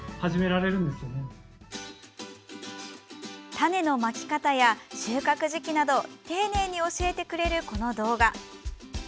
種のまき方や収穫時期など丁寧に教えてくれる、この動画。